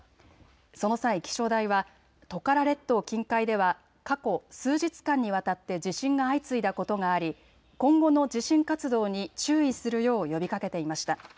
その際、気象台はトカラ列島近海では過去数日間にわたって地震が相次いだことがあり今後の地震活動に注意するよう呼びかけていました。